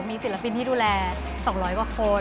มีศิลปินที่ดูแล๒๐๐กว่าคน